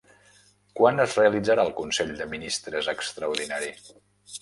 Quan es realitzarà el consell de ministres extraordinari?